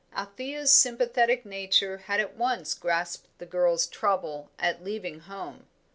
Althea's sympathetic nature had at once grasped the girl's trouble at leaving home.